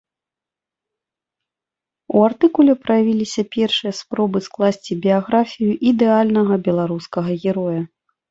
У артыкуле праявіліся першыя спробы скласці біяграфію ідэальнага беларускага героя.